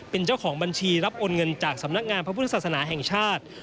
เป็นเจ้าของบัญชีรับโอนเงินจากสำนักงานพระพุทธศาสนาแห่งชาติ